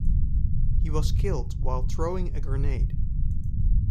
He was killed while throwing a grenade.